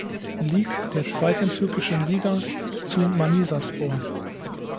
Lig, der zweiten türkischen Liga, zu Manisaspor.